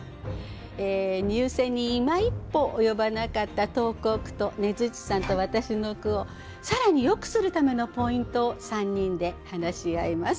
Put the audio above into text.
入選にいま一歩及ばなかった投稿句とねづっちさんと私の句を更によくするためのポイントを３人で話し合います。